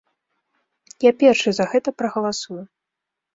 Я першы за гэта прагаласую.